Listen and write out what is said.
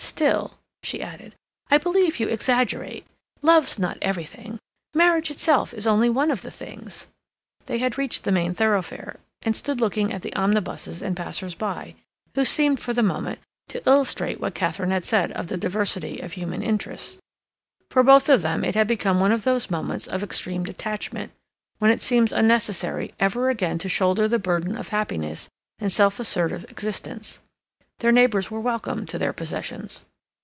Still," she added, "I believe you exaggerate; love's not everything; marriage itself is only one of the things—" They had reached the main thoroughfare, and stood looking at the omnibuses and passers by, who seemed, for the moment, to illustrate what Katharine had said of the diversity of human interests. For both of them it had become one of those moments of extreme detachment, when it seems unnecessary ever again to shoulder the burden of happiness and self assertive existence. Their neighbors were welcome to their possessions.